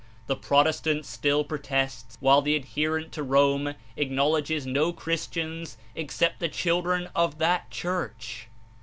The Protestant still protests, while the adherent to Rome acknowledges no Christians except the children of that Church.